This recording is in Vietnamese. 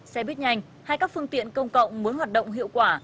xe buýt nhanh hay các phương tiện công cộng muốn hoạt động hiệu quả